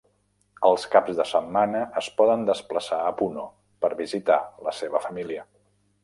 Els caps de setmana es poden desplaçar a Puno per visitar la seva família.